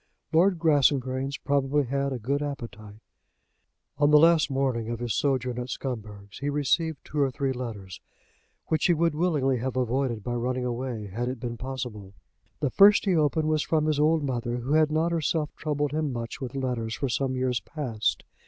Lord Grassangrains probably had a good appetite. On the last morning of his sojourn at Scumberg's he received two or three letters which he would willingly have avoided by running away had it been possible. The first he opened was from his old mother, who had not herself troubled him much with letters for some years past.